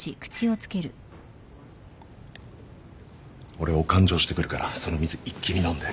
俺お勘定してくるからその水一気に飲んで。